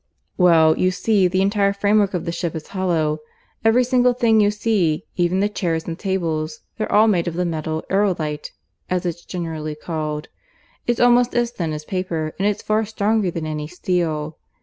"Well, you see the entire framework of the ship is hollow. Every single thing you see even the chairs and tables they're all made of the metal aerolite (as it's generally called). It's almost as thin as paper, and it's far stronger than any steel.